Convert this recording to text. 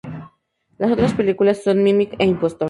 Las otras películas son "Mimic" e "Impostor".